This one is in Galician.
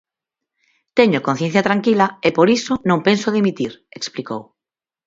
"Teño a conciencia tranquila" e por iso "non penso dimitir", explicou.